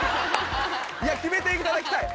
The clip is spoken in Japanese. いや決めていただきたい！